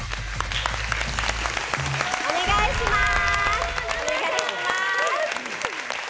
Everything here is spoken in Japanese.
お願いします！